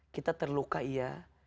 kita terluka ya